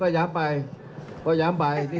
จากธนาคารกรุงเทพฯ